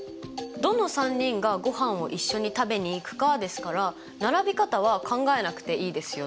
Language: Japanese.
どの３人がごはんを一緒に食べに行くかですから並び方は考えなくていいですよね？